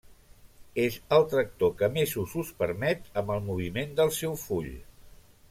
És el tractor que més usos permet amb el moviment del seu full.